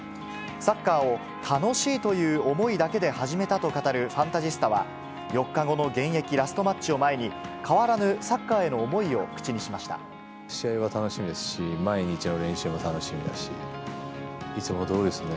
サッカーを楽しいという思いだけで始めたと語るファンタジスタは、４日後の現役ラストマッチを前に、変わらぬサッカーへの思いを口に試合は楽しみですし、毎日の練習も楽しみだし、いつもどおりですね。